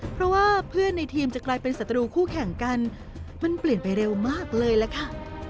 เพราะว่าเพื่อนในทีมจะกลายเป็นศัตรูคู่แข่งกันมันเปลี่ยนไปเร็วมากเลยล่ะค่ะ